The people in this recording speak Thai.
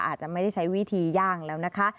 อาจจะไม่ได้ใช้วิธีย่างแล้วนะคะ